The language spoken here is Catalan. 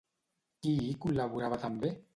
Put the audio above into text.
Qui hi col·laborava també?